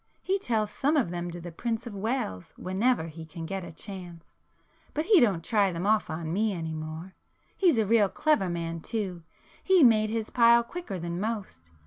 He tells some of them to the [p 128] Prince of Wales whenever he can get a chance,—but he don't try them off on me any more. He's a real clever man too; he's made his pile quicker than most.